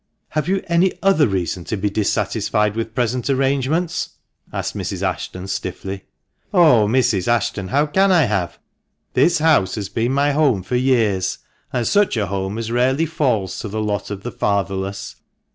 " Have you any other reason to be dissatisfied with present arrangements ?" asked Mrs. Ashton stiffly. " Oh ! Mrs. Ashton, how can I have ? This house has been my home for years, and such a home as rarely falls to the lot of the fatherless.